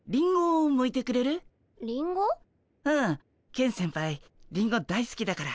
ケン先輩リンゴ大すきだから。